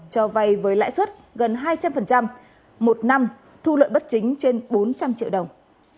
cho vay với lãi suất gần hai trăm linh một năm thu lợi bất chính trên bốn trăm linh triệu đồng